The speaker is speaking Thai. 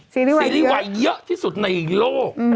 ซีรีส์วัยเยอะที่สุดในโลก